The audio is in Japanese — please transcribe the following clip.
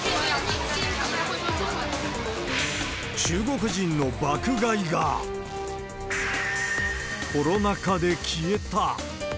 中国人の爆買いが、コロナ禍で消えた。